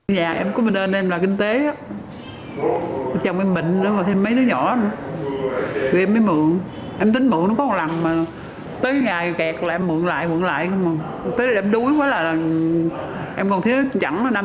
nếu không có tiền